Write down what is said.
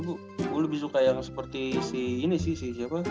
gua lebih suka yang seperti si ini sih siapa